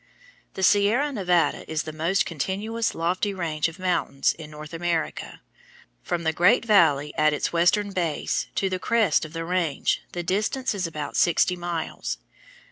The Sierra Nevada is the most continuous lofty range of mountains in North America. From the great valley at its western base to the crest of the range the distance is about sixty miles.